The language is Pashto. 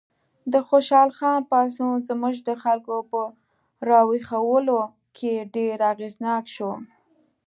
د خوشحال خان پاڅون زموږ د خلکو په راویښولو کې ډېر اغېزناک شو.